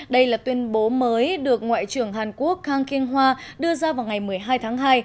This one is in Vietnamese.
đây là tuyên bố mới được ngoại trưởng hàn quốc kang kyng ho đưa ra vào ngày một mươi hai tháng hai